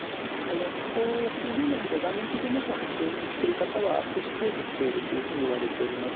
ここ数十年で顔面神経まひを発症する方は少し増えてきているというふうにいわれております。